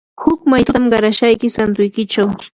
huk maytutam qarashayki santuykichaw.